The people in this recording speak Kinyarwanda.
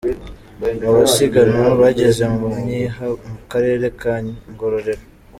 Abasiganwa bageze mu Myiha mu Karere ka Ngororero.